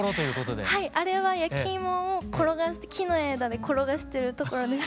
あれは焼き芋を木の枝で転がしてるところです。